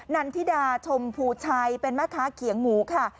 นันทิดาชมพูชัยเป็นแม่ค้าเขียงหมูค่ะ